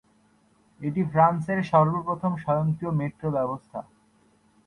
এটি ফ্রান্সের সর্বপ্রথম স্বয়ংক্রিয় মেট্রো ব্যবস্থা।